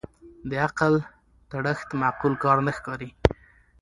د عقل تړښت معقول کار نه ښکاري